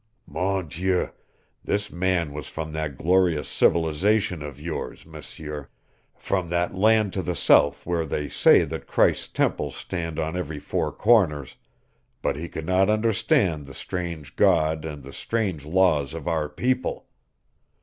"Mon Dieu, this man was from that glorious civilization of yours, M'seur from that land to the south where they say that Christ's temples stand on every four corners, but he could not understand the strange God and the strange laws of our people!